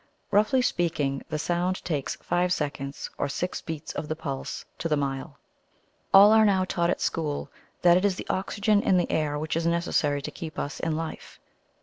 Roughly speaking, the sound takes five seconds or six beats of the pulse to the mile. All are now taught at school that it is the oxygen in the air which is necessary to keep us in life.